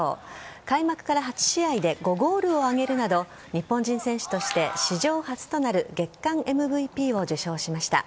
開幕から８試合で５ゴールを挙げるなど日本人選手として史上初となる月間ＭＶＰを受賞しました。